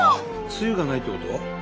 つゆがないってこと？